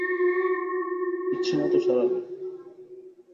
ইচ্ছে মত সরাবে?